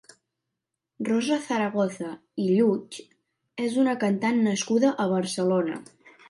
Rosa Zaragoza i Lluch és una cantant nascuda a Barcelona.